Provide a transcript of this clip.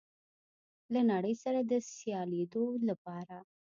له نړۍ سره د سیالېدو لپاره